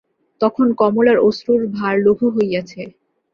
তখন কমলার অশ্রুর ভার লঘু হইয়াছে।